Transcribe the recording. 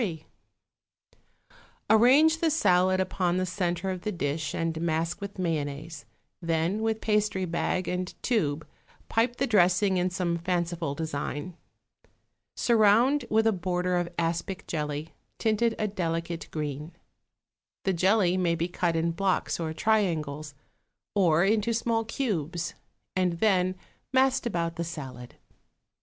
3.= Arrange the salad upon the centre of the dish and mask with mayonnaise; then with pastry bag and tube pipe the dressing in some fanciful design. Surround with a border of aspic jelly, tinted a delicate green. The jelly may be cut in blocks or triangles, or into small cubes, and then massed about the salad.